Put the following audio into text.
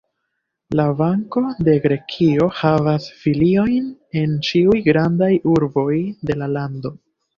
La Banko de Grekio havas filiojn en ĉiuj grandaj urboj de la lando.